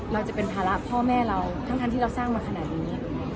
จะเป็นภาระพ่อแม่เราทั้งที่เราสร้างมาขนาดนี้